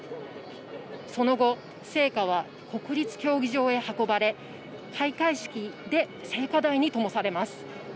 その後、聖火は国立競技場へ運ばれ、開会式で聖火台にともされます。